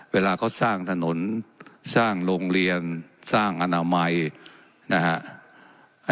เวลาเขาสร้างถนนสร้างโรงเรียนสร้างอนามัยนะฮะ